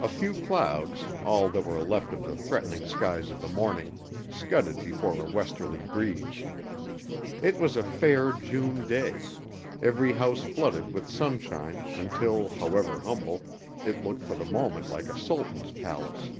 A few clouds, all that were left of the threatening skies of the morning, scudded before a westerly breeze. It was a fair June day every house flooded with sunshine until, however humble, it looked for the moment like a sultan's palace.